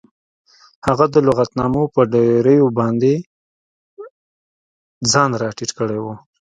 هغه د لغتنامو په ډیریو باندې ځان راټیټ کړی و